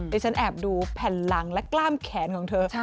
ฉันแอบดูแผ่นหลังและกล้ามแขนของเธอ